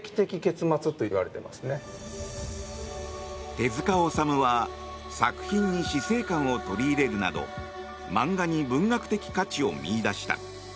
手塚治虫は作品に死生観を取り入れるなど漫画に文学的価値を見いだした。